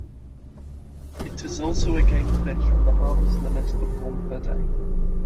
It is also a game fish with a harvest limit of one per day.